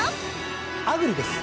アグリです。